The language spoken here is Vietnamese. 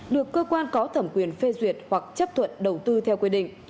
được cơ quan có thẩm quyền phê duyệt hoặc chấp thuận đầu tư theo quy định